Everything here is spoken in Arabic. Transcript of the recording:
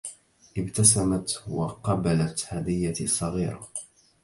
ابتسمت وقبلت هديتي الصغيرة.